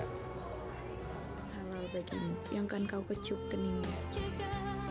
halal bagimu yang akan kau kecup kening